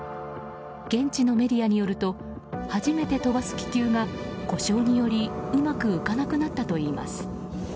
現地のメディアによると初めて飛ばす気球が故障によりうまく浮かなくなったといいます。